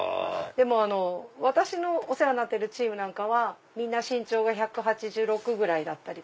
でも私のお世話になってるチームなんかはみんな身長が１８６だったり。